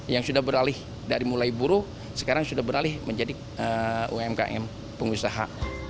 yang sudah beralih dari mulai buruh sekarang sudah beralih menjadi umkm pengusaha